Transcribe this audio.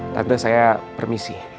tante saya permisi